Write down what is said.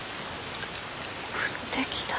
降ってきた。